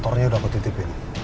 motornya udah aku tutipin